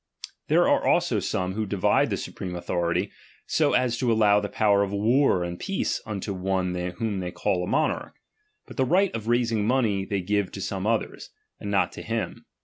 There are also some, who divide the supreme authority so as to allow the power of war and peace unto one whom they call a monarch ; but the right of raising money they give to some others, and not to him.